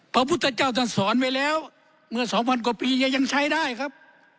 พระพุทธเจ้าท่านสอนไว้แล้วเมื่อสองพันกว่าปีเนี่ยยังใช้ได้ครับ